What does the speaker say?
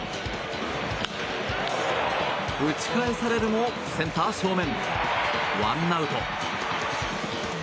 打ち返されるも、センター正面ワンアウト。